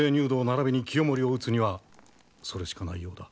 ならびに清盛を討つにはそれしかないようだ。